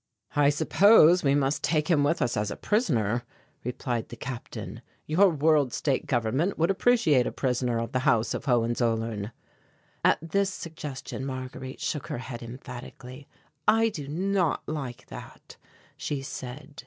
"I suppose we must take him with us as a prisoner," replied the Captain. "Your World State Government would appreciate a prisoner of the House of Hohenzollern." At this suggestion Marguerite shook her head emphatically. "I do not like that," she said.